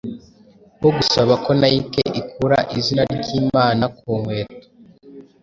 bwo gusaba ko Nike ikura izina ry’Imana ku nkweto